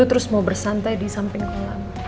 terus mau bersantai di samping kolam